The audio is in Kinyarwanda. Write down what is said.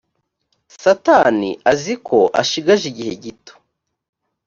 satani azi ko ashigaje igihe gito